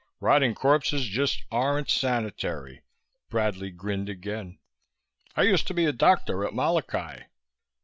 Rotting corpses just aren't sanitary." Bradley grinned again. "I used to be a doctor at Molokai."